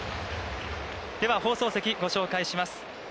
では、放送席、ご紹介します。